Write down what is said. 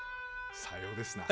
さようですな。